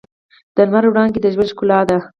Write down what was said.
د لمر وړانګې د ژوند ښکلا ده.